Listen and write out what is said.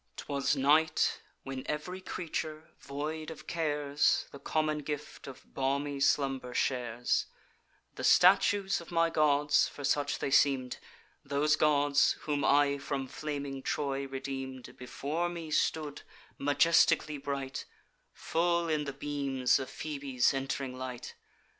"'Twas night, when ev'ry creature, void of cares, The common gift of balmy slumber shares: The statues of my gods (for such they seem'd), Those gods whom I from flaming Troy redeem'd, Before me stood, majestically bright, Full in the beams of Phoebe's ent'ring light.